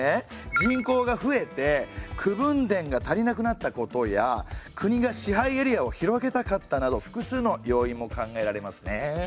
人口が増えて口分田がたりなくなったことや国が支配エリアを広げたかったなど複数の要因も考えられますね。